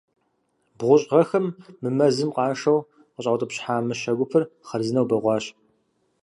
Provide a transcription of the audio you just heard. БгъущӀ гъэхэм мы мэзым къашэу къыщӏаутӏыпщхьа мыщэ гупыр хъарзынэу бэгъуащ.